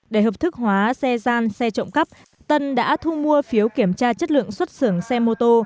để hợp thức hóa xe gian xe trộm cắp tân đã thu mua phiếu kiểm tra chất lượng xuất xưởng xe mô tô